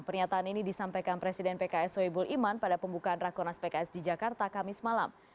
pernyataan ini disampaikan presiden pks soebul iman pada pembukaan rakonas pks di jakarta kamis malam